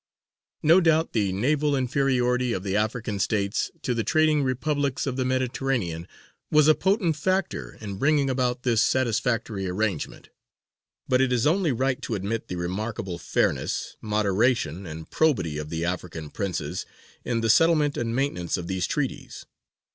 No doubt the naval inferiority of the African States to the trading Republics of the Mediterranean was a potent factor in bringing about this satisfactory arrangement; but it is only right to admit the remarkable fairness, moderation, and probity of the African princes in the settlement and maintenance of these treaties.